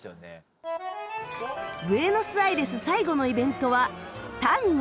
ブエノス・アイレス最後のイベントはタンゴ。